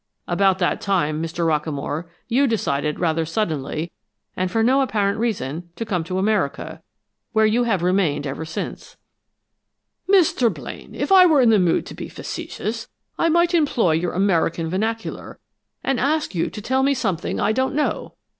About that time, Mr. Rockamore, you decided rather suddenly, and for no apparent reason, to come to America, where you have remained ever since." "Mr. Blaine, if I were in the mood to be facetious, I might employ your American vernacular and ask that you tell me something I don't know!